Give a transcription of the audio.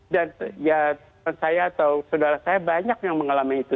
dan saudara saya banyak yang mengalami itu